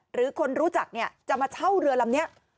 หรือคนรู้จักเนี่ยจะมาเช่าเรือลำนี้